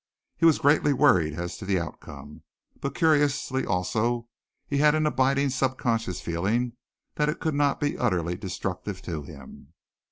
He was greatly worried as to the outcome, but curiously also he had an abiding subconscious feeling that it could not be utterly destructive to him.